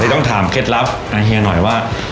ต้องถามเคล็ดลับนะเฮียหน่อยว่า